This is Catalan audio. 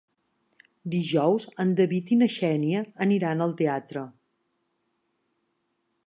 Dijous en David i na Xènia aniran al teatre.